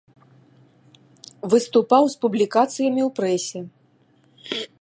Выступаў з публікацыямі ў прэсе.